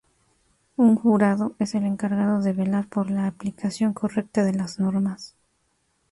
Un jurado es el encargado de velar por la aplicación correcta de las normas.